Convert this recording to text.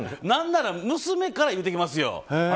何なら娘から言うてきますよ。